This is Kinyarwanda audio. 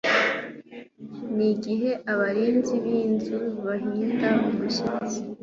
n'igihe abarinzi b'inzu bazahinda umushyitsi